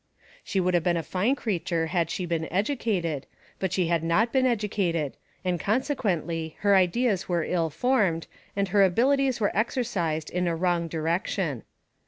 She would have been a fine creature had she been educated, but she had not been educated, and consequently her ideas were ill formed, and her abilities were exercised in a wrong direction.